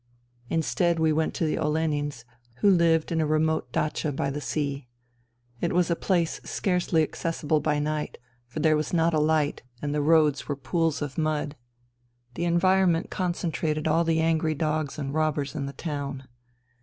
Instead we went to the Olenins who lived in a remote datclia by the sea. It was a place scarcely accessible by night, for there was not a light and the roads were pools of mud. The environment concentrated all the angry dogs and robbers in the town.